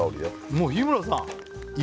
もう日村さん